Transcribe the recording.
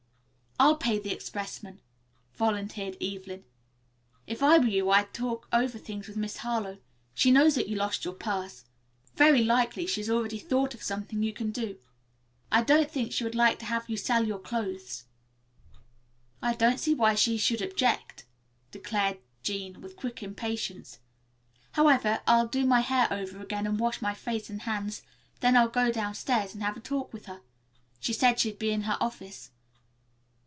"I'll pay the expressman," volunteered Evelyn. "If I were you I'd talk things over with Miss Harlowe. She knows that you lost your purse. Very likely she has already thought of something you can do. I don't think she would like to have you sell your clothes." "I don't see why she should object," declared Jean, with quick impatience. "However, I'll do my hair over again, and wash my face and hands, then I'll go down stairs and have a talk with her. She said she'd be in her office."